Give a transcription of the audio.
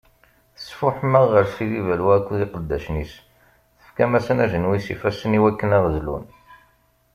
Tesfuḥem-aɣ ɣer Sid Balwa akked iqeddacen-is, tefkam-asen ajenwi s ifassen iwakken ad ɣ-zlun.